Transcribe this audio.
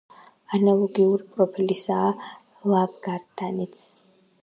ანალოგიური პროფილისაა ლავგარდანიც.